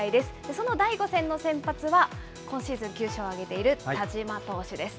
その第５戦の先発は、今シーズン９勝を挙げている田嶋投手です。